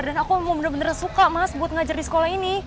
dan aku mau bener bener suka mas buat ngajar di sekolah ini